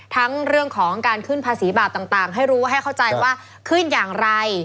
ทั้งเรื่องของการขึ้นภาษีบาปต่างให้รู้ให้เข้าใจว่าขึ้นอย่างไร